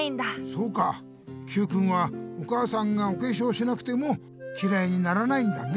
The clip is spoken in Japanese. そうかＱくんはお母さんがおけしょうしなくてもきらいにならないんだね。